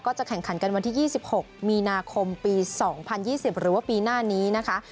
จะแข่งขันกันวันที่๒๖มีนาคมปี๒๐๒๐หรือว่าปีหน้านี้นะคะ